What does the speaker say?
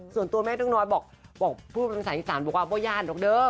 ส่วนตัวแม่น้องน้อยบอกพูดบริษัทอีสานบอกว่าพวกย่านน้องเด้อ